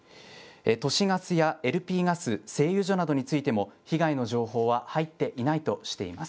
都市ガスやＬＰガス、製油所などについても、被害の情報は入っていないとしています。